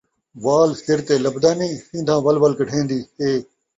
وال سر تے لبھدا نئیں ، سین٘دھاں ول ول کڈھین٘دی ہے